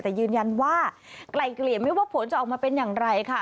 แต่ยืนยันว่าไกลเกลี่ยไม่ว่าผลจะออกมาเป็นอย่างไรค่ะ